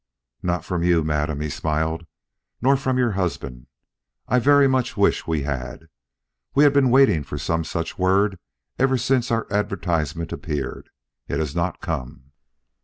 "Not from you, madam," he smiled. "Nor from your husband. I very much wish we had. We have been waiting for some such word ever since our advertisement appeared. It has not come."